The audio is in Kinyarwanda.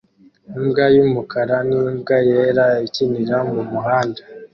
Imbwa y'umukara n'imbwa yera ikinira mumuhanda